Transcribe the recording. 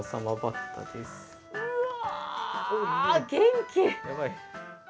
うわー、元気！